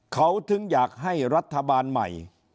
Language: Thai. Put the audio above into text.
เขาถึงอยากให้รัฐบาลใหม่